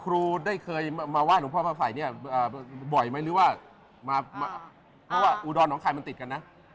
ครูได้เคยมาไหว้หลวงพ่อพระไฝเนี่ยบ่อยไหมหรือว่ามาเพราะว่าอุดรหนองคายมันติดกันนะ